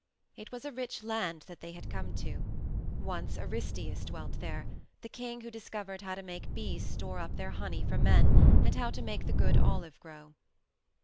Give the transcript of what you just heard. It was a rich land that they had come to. Once Aristaeus dwelt there, the king who discovered how to make bees store up their honey for men and how to make the good olive grow.